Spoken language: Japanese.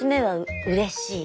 うれしい。